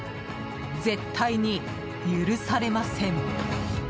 絶対に許されません。